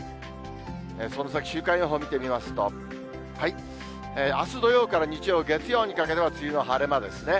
その先、週間予報見てみますと、あす土曜から日曜、月曜にかけては梅雨の晴れ間ですね。